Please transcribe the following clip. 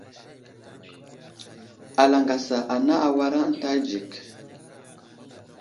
Alaŋgasa anay awara ənta adzik.